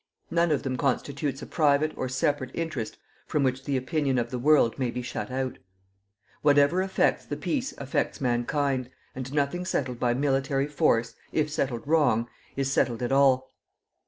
None of them constitutes a private or separate interest from which the opinion of the world may be shut out. Whatever affects the peace affects mankind, and nothing settled by military force, if settled wrong, is settled at all.